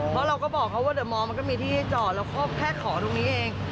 เพราะเราก็บอกเขาว่าเดี๋ยวมองมันก็มีที่จอดเราก็แค่ขอตรงนี้เอง